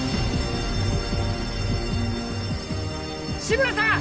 志村さん！